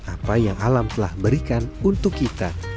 apa yang alam telah berikan untuk kita